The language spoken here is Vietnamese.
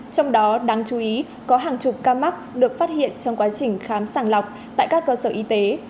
trong đó đáng chú ý có hàng chục ca mắc được phát hiện trong quá trình khám sàng lọc tại các cơ sở y tế